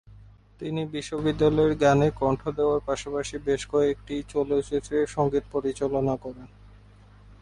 তিনি চলচ্চিত্রের গানে কন্ঠ দেওয়ার পাশাপাশি বেশ কয়েকটি চলচ্চিত্রে সঙ্গীত পরিচালনা করেন।